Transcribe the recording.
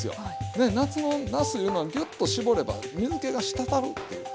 夏のなすいうのはぎゅっと絞れば水けがしたたるっていう。